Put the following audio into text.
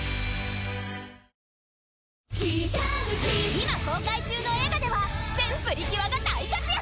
今公開中の映画では全プリキュアが大活躍！